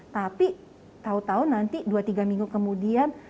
tapi tahu tahu nanti dua tiga minggu kemudian